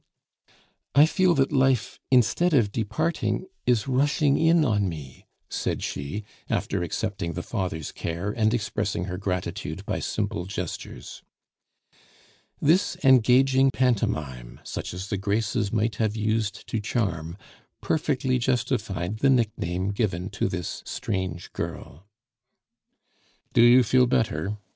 "I feel that life, instead of departing, is rushing in on me," said she, after accepting the Father's care and expressing her gratitude by simple gestures. This engaging pantomime, such as the Graces might have used to charm, perfectly justified the nickname given to this strange girl. "Do you feel better?"